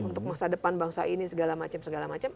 untuk masa depan bangsa ini segala macem